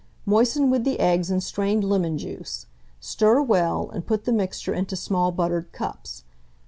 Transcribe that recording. Moisten with the eggs and strained lemon juice; stir well, and put the mixture into small buttered cups.